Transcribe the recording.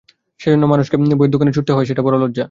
সেজন্যে মানুষকে বইয়ের দোকানে ছুটতে হয় সেটা বড়ো লজ্জা।